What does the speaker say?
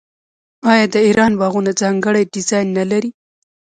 آیا د ایران باغونه ځانګړی ډیزاین نلري؟